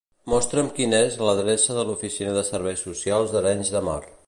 Mostra'm quina és l'adreça de l'oficina de serveis socials d'Arenys de Mar.